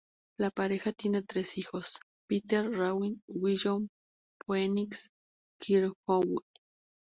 La pareja tiene tres hijos, Peter-Raven, Willow y Phoenix Kirkwood.